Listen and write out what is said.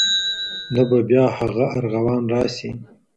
نه به بیا هغه ارغوان راسي